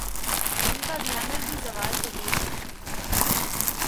ان کا گلیمر بھی زوال پذیر ہے۔